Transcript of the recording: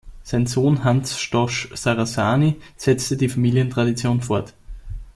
Sein Sohn Hans Stosch-Sarrasani setzte die Familientradition fort.